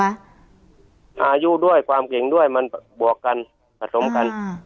อายุด้วยความเก่งด้วยมันบวกกันผสมกัน